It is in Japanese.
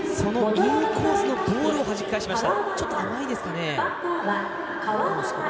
インコースのボールをはじき返しました。